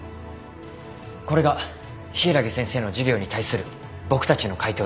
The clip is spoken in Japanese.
これが柊木先生の授業に対する僕たちの回答です。